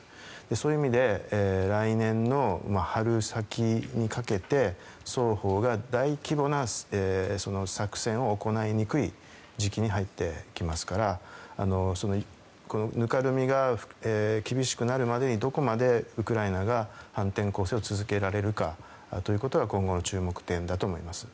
そういう意味で来年の春先にかけて双方が大規模な作戦を行いにくい時期に入ってきますからぬかるみが厳しくなるまでにどこまでウクライナが反転攻勢を続けられるかということが今後の注目点だと思います。